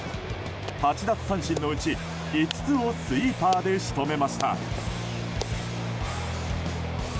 ８奪三振のうち５つをスイーパーで仕留めました。